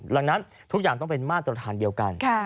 ดังนั้นทุกอย่างต้องเป็นมาตรฐานเดียวกัน